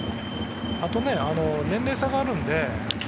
あと年齢差があるので。